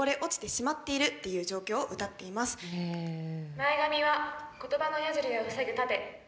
前髪は言葉の鏃を防ぐ盾。